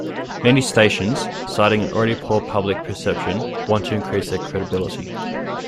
Many stations, citing an already poor public perception, want to increase their credibility.